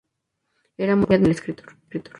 Era muy admirado por el escritor